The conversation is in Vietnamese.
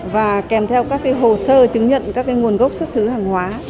và kèm theo các hồ sơ chứng nhận các nguồn gốc xuất xứ hàng hóa